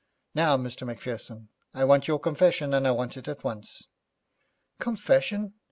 Now, Mr Macpherson, I want your confession, and I want it at once.' 'Confession?